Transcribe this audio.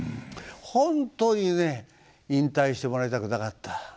本当にね引退してもらいたくなかった。